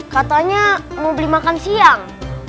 katanya mau beli makan siang